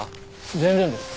全然です。